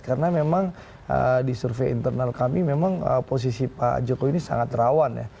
karena memang di survei internal kami memang posisi pak jokowi ini sangat rawan ya